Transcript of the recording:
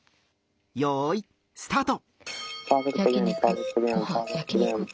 よいスタート。